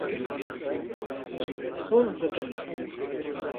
Soz didim.